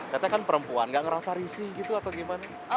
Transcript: katanya kan perempuan gak ngerasa risih gitu atau gimana